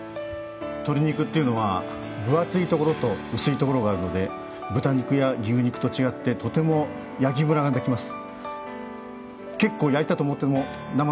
鶏肉というのは分厚いとこと薄いところがあるので、豚肉と牛肉と違ってとても焼きムラができます。